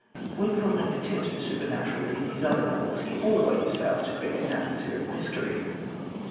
When Godwin attempts the supernatural in his other novels, he always fails to create an atmosphere of mystery.